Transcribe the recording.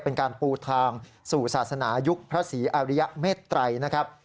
เป็นการปูทางสู่ศาสนายุคพระศรีอาริยเมตรัยนะครับ